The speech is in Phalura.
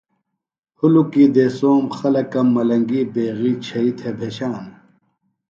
ہُلُکی دیسوم خلکہ ملنگی بیغی چھیئی تھےۡ بھشانہ۔